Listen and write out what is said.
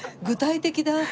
具体的だ。